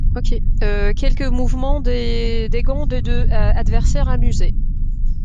Quelques mouvements de gants de deux adversaires amusés.